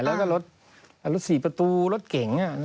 แล้วก็รถ๔ประตูรถเก๋ง